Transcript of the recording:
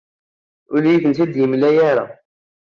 Ur iyi-ten-id-yemla ara.